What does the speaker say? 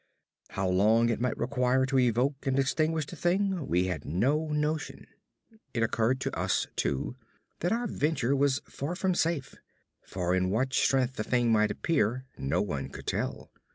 How long it might require to evoke and extinguish the thing, we had no notion. It occurred to us, too, that our venture was far from safe; for in what strength the thing might appear no one could tell.